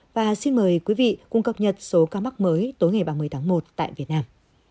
và xin mời quý vị cùng cập nhật số ca mắc mới tối ngày ba mươi tháng một tại việt nam